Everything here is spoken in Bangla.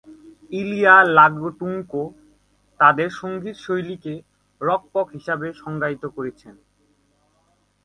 ইলিয়া লাগুটেনকো তাদের সঙ্গীত শৈলীকে রকপপ হিসেবে সংজ্ঞায়িত করেছেন।